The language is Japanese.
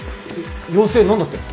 妖精何だって？